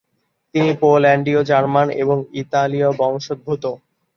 তিনি পোল্যান্ডীয়, জার্মান এবং ইতালীয় বংশোদ্ভূত।